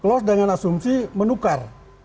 close dengan asumsi menukar